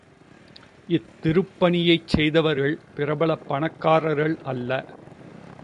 இத்திருப்பணியைச் செய்தவர்கள் பிரபல பணக்காரர்கள் அல்ல.